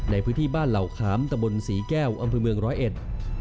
ในพื้นที่บ้านเหล่าขามตะบนศรีแก้วอำเภอเมืองร้อยเอ็ด